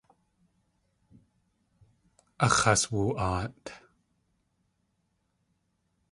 Áx̲ has woo.aat.